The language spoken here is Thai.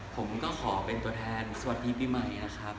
ผมก็ขอเป็นตัวแทนสวัสดีปีใหม่นะครับ